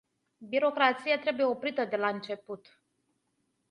Birocrația trebuie oprită de la început.